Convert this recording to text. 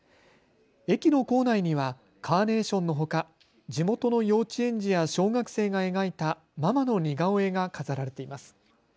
駅の構内にはカーネーションのほか地元の幼稚園児や小学生が描いたママの似顔絵が飾られています。